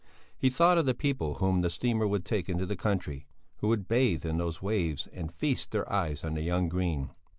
He thought of the people whom that steamer would take into the country, who would bathe in those waves and feast their eyes on the young green.